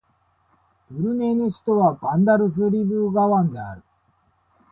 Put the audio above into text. ブルネイの首都はバンダルスリブガワンである